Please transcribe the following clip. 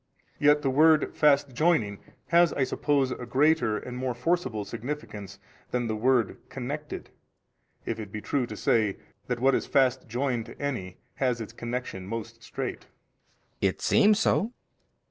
Yet the word fast joining has I suppose a greater and more forcible significance than the word connected, if it be true to say that what is fast joined to any has its connection most strait. B. It seems so.